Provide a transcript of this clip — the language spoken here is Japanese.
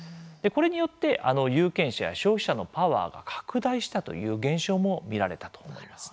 これによって有権者や消費者のパワーが拡大したという現象も見られたと思います。